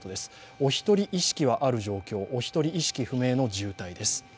お一人、意識はある状況、お一人、意識不明の重体です。